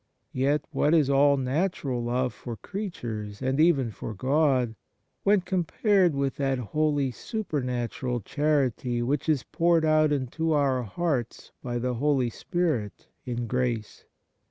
Yet what is all natural love for creatures, and even for God, when compared with that 100 EFFECT AND FRUITS OF DIVINE GRACE holy supernatural charity which is poured out into our hearts by the Holy Spirit in grace